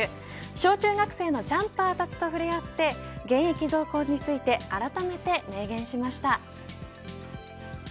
小中学生のジャンパーたちと触れ合って現役続行についてあらためて明言しました。